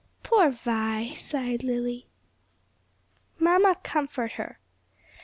"Poor Vi," sighed Lily. "Mamma, comfort her."